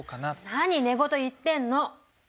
何寝言言ってんの！